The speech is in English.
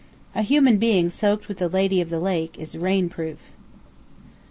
A human being soaked with the "Lady of the Lake" is rain proof.